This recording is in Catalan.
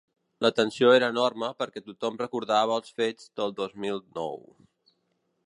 La tensió era enorme perquè tothom recordava els fets del dos mil nou.